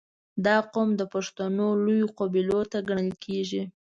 • دا قوم د پښتنو لویو قبیلو څخه ګڼل کېږي.